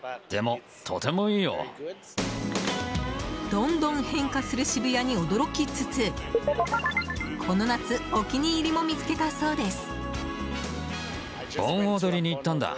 どんどん変化する渋谷に驚きつつこの夏、お気に入りも見つけたそうです。